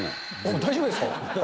大丈夫ですか？